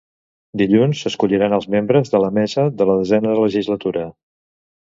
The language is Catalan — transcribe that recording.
Dilluns s'escolliran els membres de la mesa de la desena legislatura.